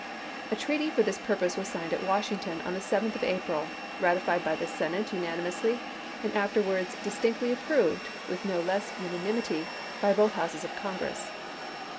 A treaty for this purpose was signed at Washington on the 7th of April, ratified by the Senate unani 1862. mously and afterwards distinctly approved, with no less unanimity, by both Houses of Congress.